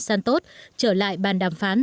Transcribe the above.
santos trở lại bàn đàm phán